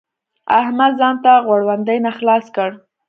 احمد ځان د غړوندي نه خلاص کړ.